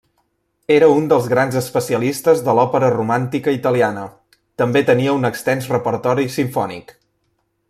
Era un dels grans especialistes de l'òpera romàntica italiana; també tenia un extens repertori simfònic.